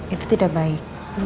itu tidak baik